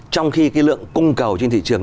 trong khi cái lượng cung cầu trên thị trường